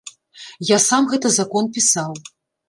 Я сам гэты закон пісаў.